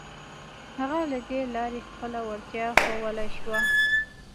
هغه له دې لارې خپله وړتيا ښوولای شوه.